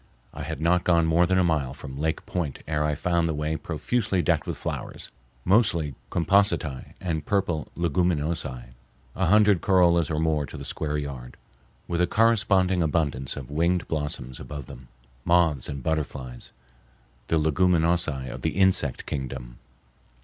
I had not gone more than a mile from Lake Point ere I found the way profusely decked with flowers, mostly compositae and purple leguminosae, a hundred corollas or more to the square yard, with a corresponding abundance of winged blossoms above them, moths and butterflies, the leguminosae of the insect kingdom.